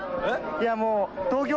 いやもう。